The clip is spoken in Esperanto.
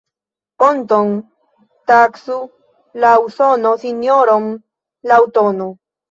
Poton taksu laŭ sono, sinjoron laŭ tono.